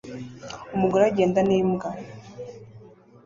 Umugore agenda n'imbwa